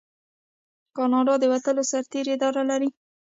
کاناډا د وتلو سرتیرو اداره لري.